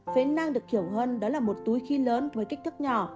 phế năng được hiểu hơn đó là một túi khi lớn với kích thước nhỏ